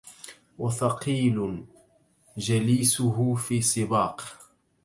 وثقيل جليسه في سباق